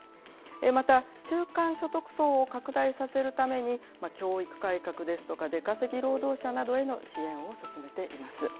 また、中間所得層を拡大させるために、教育改革ですとか、出稼ぎ労働者などへの支援を進めています。